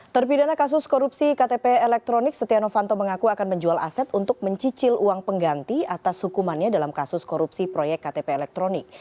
terpidana kasus korupsi ktp elektronik setia novanto mengaku akan menjual aset untuk mencicil uang pengganti atas hukumannya dalam kasus korupsi proyek ktp elektronik